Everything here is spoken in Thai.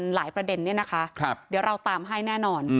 ประเด็นนี้นะคะเดี๋ยวเราตามให้แน่นอน